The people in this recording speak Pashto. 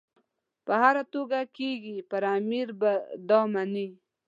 په هره توګه کېږي پر امیر به دا مني.